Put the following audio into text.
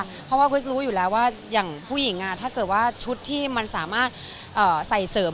เพราะว่าคริสรู้อยู่แล้วว่าอย่างผู้หญิงถ้าเกิดว่าชุดที่มันสามารถใส่เสริม